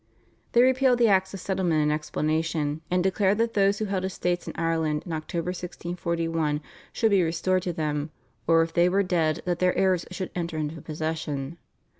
They repealed the Acts of Settlement and Explanation, and declared that those who held estates in Ireland in October 1641 should be restored to them, or if they were dead that their heirs should enter into possession.